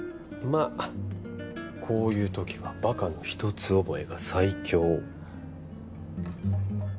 あこういう時はバカの一つ覚えが最強